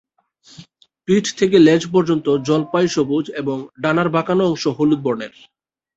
পিঠ থেকে লেজ পর্যন্ত জলপাই-সবুজ এবং ডানার বাঁকানো অংশ হলুদ বর্ণের।।